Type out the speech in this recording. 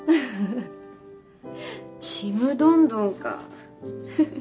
ちむどんどんか。